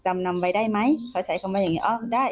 ไม่รู้ว่าได้มาถูกกฎหมายหรือไม่อย่างไร